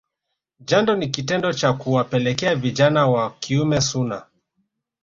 Jando ni kitendo cha kuwapeleka vijana wa kiume sunnah